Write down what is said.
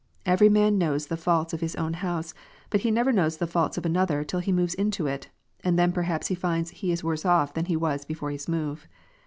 Every man knows the faults of his own house, but he never knows the faults of another till he moves into it, and then perhaps he finds he is worse off than he was before his move.